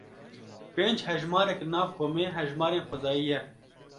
Pênc hejmarek li nav komê hejmarên xwezayî ye.